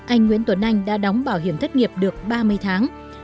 anh nguyễn tuấn anh đã đóng bảo hiểm thất nghiệp được ba mươi tháng